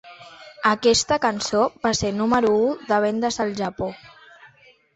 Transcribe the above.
Aquesta cançó va ser número u de vendes al Japó.